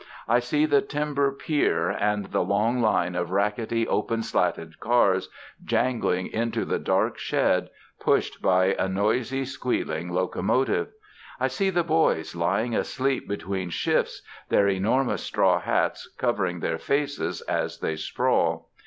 I see the timber pier and the long line of rackety open slatted cars jangling into the dark shed, pushed by a noisy, squealing locomotive. I see the boys lying asleep between shifts, their enormous straw hats covering their faces as they sprawl.